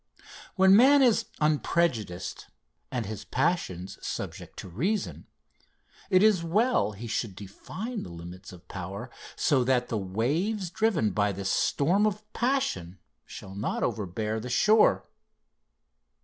When man is unprejudiced, and his passions subject to reason, it is well he should define the limits of power, so that the waves driven by the storm of passion shall not overbear the shore.